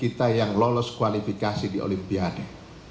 kita yang lolos kualifikasi di olimpiade